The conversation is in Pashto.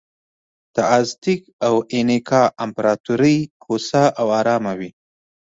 د ازتېک او اینکا امپراتورۍ هوسا او ارامه وې.